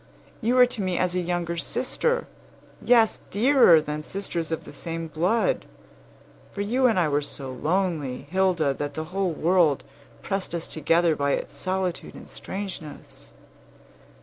You were to me as a younger sister; yes, dearer than sisters of the same blood; for you and I were so lonely, Hilda, that the whole world pressed us together by its solitude and strangeness.